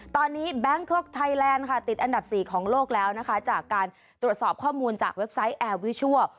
ตอนนี้แบงคกไทยแลนด์ค่ะติดอันดับ๔ของโลกแล้วนะคะจากการตรวจสอบข้อมูลจากเว็บไซต์แอร์วิชัล